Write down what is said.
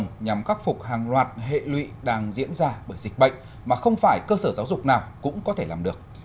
các giáo viên có thể làm các phục hàng loạt hệ lụy đang diễn ra bởi dịch bệnh mà không phải cơ sở giáo dục nào cũng có thể làm được